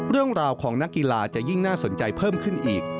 เรื่องราวของนักกีฬาจะยิ่งน่าสนใจเพิ่มขึ้นอีก